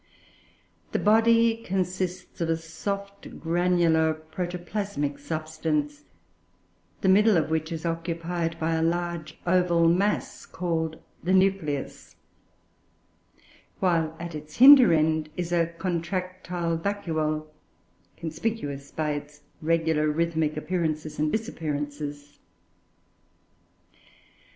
The body consists of a soft granular protoplasmic substance, the middle of which is occupied by a large oval mass called the "nucleus"; while, at its hinder end, is a "contractile vacuole," conspicuous by its regular rhythmic appearances and disappearances.